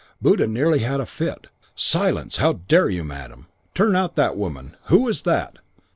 Buddha nearly had a fit: 'Silence! How dare you, madam! Turn out that woman! Who is that?'